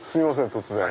突然。